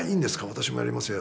「私もやりますよ」